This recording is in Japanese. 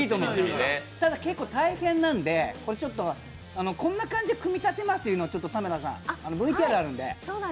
ただ結構大変なんで、こんな感じで組み立てますというのをまず、ＶＴＲがあるので。